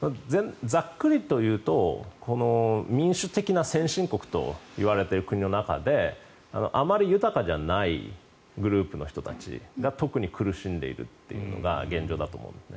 ざっくりというと民主的な先進国といわれている国の中であまり豊かじゃないグループの人たちが特に苦しんでいるというのが現状だと思います。